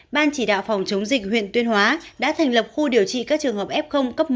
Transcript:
ban chỉ đạo phòng chống dịch huyện tuyên hóa đã thành lập khu điều trị các trường hợp f một